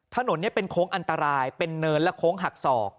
ถนนนี้เป็นโค้งอันตรายเป็นเนินและโค้งหักศอก